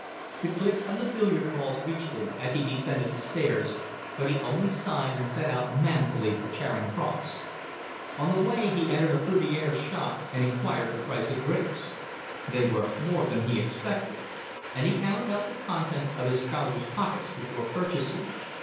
The click of the billiard balls reached him as he descended the stairs, but he only sighed and set out manfully for Charing Cross. On the way he entered a fruiterer's shop and inquired the price of grapes. They were more than he expected, and he counted out the contents of his trousers pockets before purchasing.